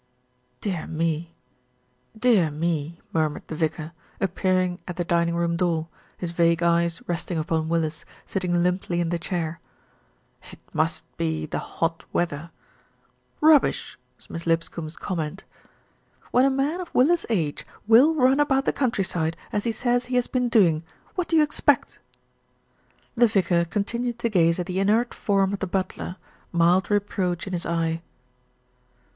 "Dear me, dear me !" murmured the vicar, appear ing at the dining room door, his vague eyes resting upon Willis, sitting limply in the chair. "It must be the hot weather." "Rubbish!" was Miss Lipscombe's comment. "When a man of Willis' age will run about the country side as he says he has been doing, what do you ex pect?" The vicar continued to gaze at the inert form of the butler, mild reproach in his eye.